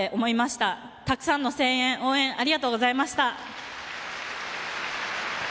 たくさんの声援、応援ありがとうございました。